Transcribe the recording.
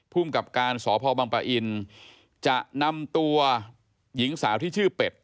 ภูมิกับการสพบังปะอินจะนำตัวหญิงสาวที่ชื่อเป็ด